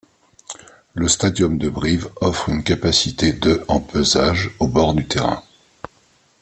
Le Stadium de Brive offre une capacité de en pesage, au bord du terrain.